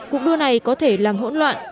cuộc đua này có thể làm hỗn loạn